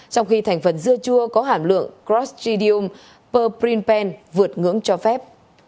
trong khi thành phần dưa chua có hẳn lượng crostridium perprinpen vượt ngưỡng cho phép